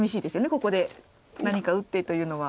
ここで何か打ってというのは。